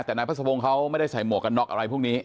แต่ไนท์พัชบงเขาไม่ได้ใส่หมวกกันรกอะไรพวกนี้